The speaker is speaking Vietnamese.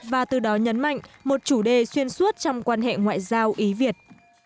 và từ đó nhấn mạnh một chủ đề xuyên suốt trong quan hệ ngoại giao ý việt